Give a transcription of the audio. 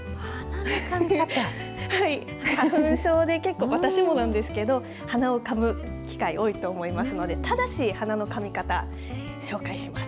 花粉症で結構、私もなんですけれども、鼻をかむ機会多いと思いますので、正しい鼻のかみ方、紹介します。